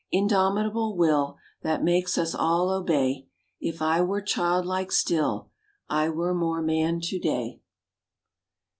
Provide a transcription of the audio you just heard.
Indomitable will That makes us all obey, If I were childlike still, I were more man to day.